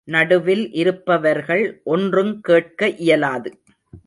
நடுவில் இருப்பவர்கள் ஒன்றுங் கேட்க இயலாது.